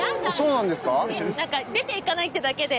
なんか出ていかないってだけで。